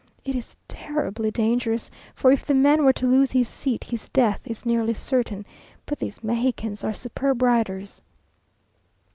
It is terribly dangerous, for if the man were to lose his seat, his death is nearly certain; but these Mexicans are superb riders.